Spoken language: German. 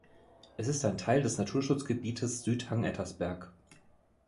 Es ist ein Teil des Naturschutzgebietes Südhang Ettersberg.